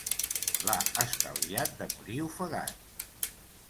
L'ha estalviat de morir ofegat.